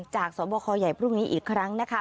จากสบคใหญ่พรุ่งนี้อีกครั้งนะคะ